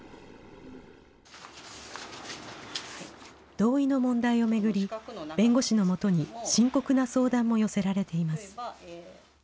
同意の問題を巡り、弁護士のもとに深刻な相談も寄せられています。